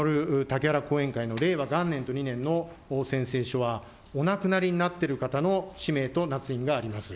竹原後援会の令和元年と２年の宣誓書は、お亡くなりになっている方の指名となつ印があります。